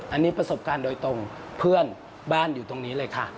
อันนี้ประสบการณ์โดยตรงเพื่อนบ้านอยู่ตรงนี้เลยค่ะ